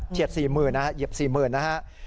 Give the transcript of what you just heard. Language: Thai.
เฉียด๔หมื่นนะครับ